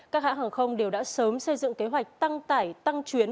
các hãng hàng không đều đã sớm xây dựng kế hoạch tăng tải tăng chuyến